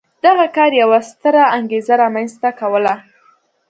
دغه کار یوه ستره انګېزه رامنځته کوله.